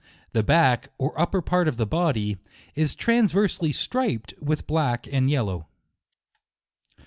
The back, or upper part of the body, is transverse ly striped with black and yellow.